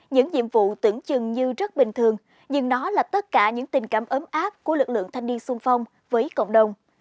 những nhiệm vụ tưởng chừng như rất bình thường nhưng nó là tất cả những tình cảm ấm áp của lực lượng thanh niên sung phong với cộng đồng